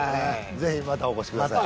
ぜひまたお越しください